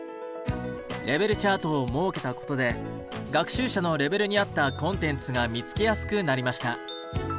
レベルチャートを設けたことで学習者のレベルに合ったコンテンツが見つけやすくなりました。